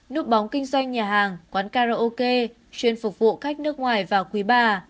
núp bóng kinh doanh nhà hàng quán karaoke chuyên phục vụ khách nước ngoài và quý bà